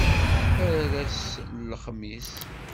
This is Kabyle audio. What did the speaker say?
Ar ass n lexmis!